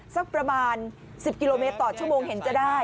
สักประมาณ๑๐กิโลเมตรต่อชั่วโมงเห็นจะได้